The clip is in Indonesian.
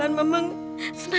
kau cepat l pengantin saya